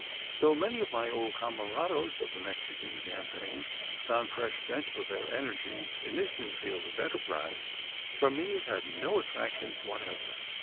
Though many of my old camarados of the Mexican campaign found fresh vent for their energies in this new field of enterprise, for me it had no attractions whatever.